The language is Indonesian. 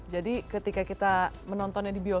jadi ketika kita menontonnya di bioskop